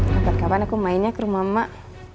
gapet gapen aku mainnya ke rumah emak